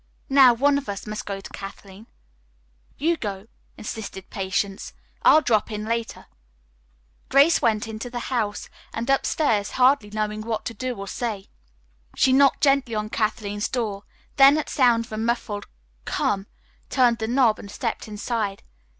Now, one of us must go to Kathleen." "You go," insisted Patience. "I'll drop in later." Grace went into the house and upstairs, hardly knowing what to do or say. She knocked gently on Kathleen's door, then at sound of a muffled "Come," turned the knob and stepped inside.